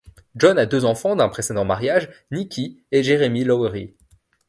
John a deux enfants d’un précédent mariage, Nikki et Jeremy Lowery.